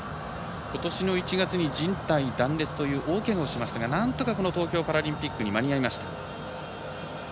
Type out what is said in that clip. ことしの１月にじん帯断裂という大けがをしましたがなんとか東京パラリンピックに間に合いました。